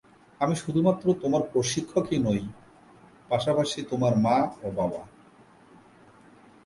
আমি শুধুমাত্র তোমার প্রশিক্ষক নই, পাশাপাশি তোমার মা ও বাবা।